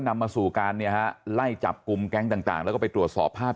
นำมาสู่การเนี่ยฮะไล่จับกลุ่มแก๊งต่างแล้วก็ไปตรวจสอบภาพ